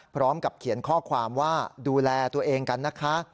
พร้อมกับเขียนข้อความว่าดูแลตัวเองกันนะคะ